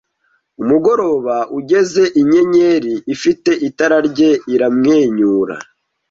umugoroba ugeze inyenyeri ifite itara rye iramwenyura